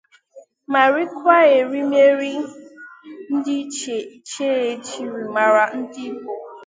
ma rikwa erimeri dị iche iche e jiri mara ndị Igbo.